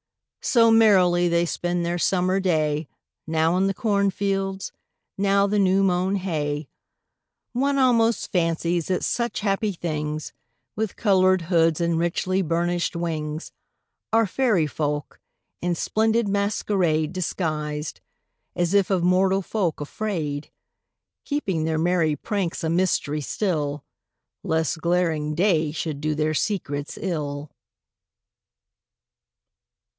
So merrily they spend their summer day, Now in the cornfields, now the new mown hay. One almost fancies that such happy things, With coloured hoods and richly burnished wings, Are fairy folk, in splendid masquerade Disguised, as if of mortal folk afraid, Keeping their merry pranks a mystery still, Lest glaring day should do their secrets ill.